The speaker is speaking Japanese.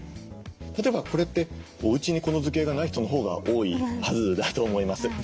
例えばこれっておうちにこの図形がない人のほうが多いはずだと思います。